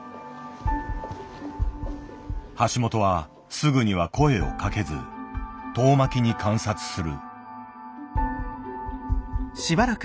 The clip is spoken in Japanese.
橋本はすぐには声をかけず遠巻きに観察する。